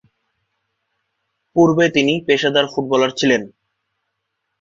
পূর্বে তিনি পেশাদার ফুটবলার ছিলেন।